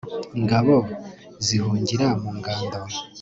ingabo zihungira mu ngando